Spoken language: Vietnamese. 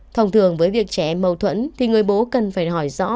thông thường với việc trẻ em mâu thuẫn thì người bố cần phải hỏi rõ